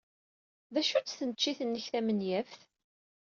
D acu-tt tneččit-nnek tamuyaft?